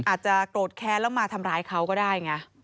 อาจจะโกรธแค้นแล้วมาทำร้ายเขาก็ได้ไง